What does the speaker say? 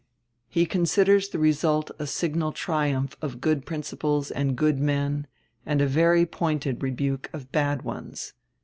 He considers the result a signal triumph of good principles and good men, and a very pointed rebuke of bad ones.